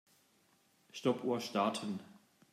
Stoppuhr starten.